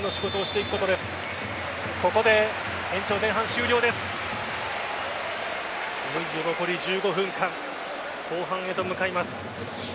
いよいよ残り１５分間後半へと向かいます。